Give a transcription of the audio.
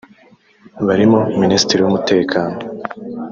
barimo Minisitiri w’Umutekano